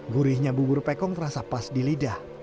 gurihnya bubur pekong terasa pas di lidah